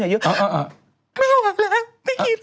ที่ก็ตอบต่อ